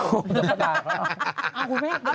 คุณแม่ไปเรียนบ้างเหรอ